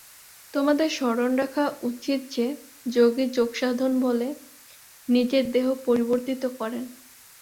তোমাদের স্মরণ রাখা উচিত যে, যোগী যোগসাধনবলে নিজের দেহ পরিবর্তিত করেন।